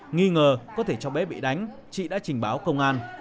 nghi ngờ có thể cháu bé bị đánh chị đã trình báo công an